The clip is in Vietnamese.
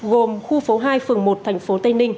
gồm khu phố hai phường một thành phố tây ninh